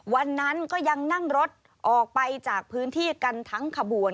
วันนั้นก็ยังนั่งรถออกไปจากพื้นที่กันทั้งขบวน